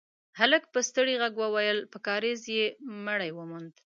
هلک په ستړي غږ وويل: په کارېز کې يې مړی وموند.